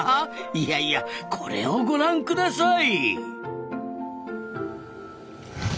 いやいやこれをご覧ください！